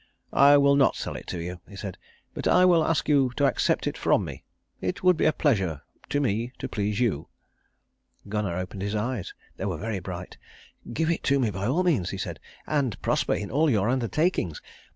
"I will not sell it to you," he said, "but I will ask you to accept it from me. It would be a pleasure to me to please you." Gunnar opened his eyes. They were very bright. "Give it to me by all means," he said, "and prosper in all your undertakings!